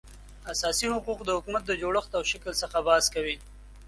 اساسي حقوق د حکومت د جوړښت او شکل څخه بحث کوي